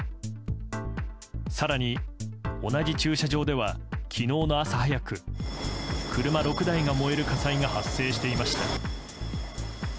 更に、同じ駐車場では昨日の朝早く車６台が燃える火災が発生していました。